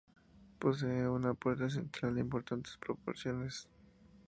Posee una puerta central de importantes proporciones.